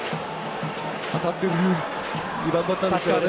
当たってる２番バッターですからね。